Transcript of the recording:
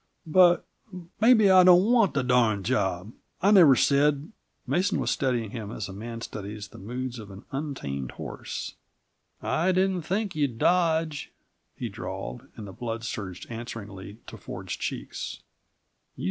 "But maybe I don't want the darned job. I never said " Mason was studying him, as a man studies the moods of an untamed horse. "I didn't think you'd dodge," he drawled, and the blood surged answeringly to Ford's cheeks.